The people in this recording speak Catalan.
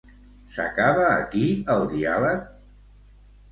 S'acaba aquí, el diàleg?